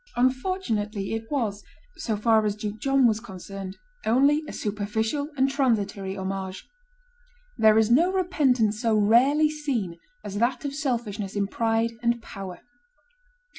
Unfortunately, it was, so far as Duke John was concerned, only a superficial and transitory homage. There is no repentance so rarely seen as that of selfishness in pride and power.